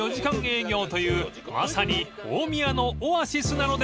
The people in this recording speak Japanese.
［まさに大宮のオアシスなのです］